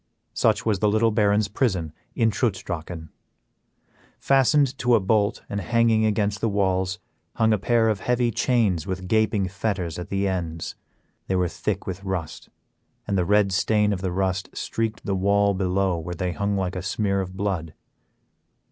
Such was the little baron's prison in Trutz Drachen. Fastened to a bolt and hanging against the walls, hung a pair of heavy chains with gaping fetters at the ends. They were thick with rust, and the red stain of the rust streaked the wall below where they hung like a smear of blood.